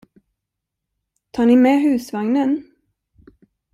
Tar ni med husvagnen?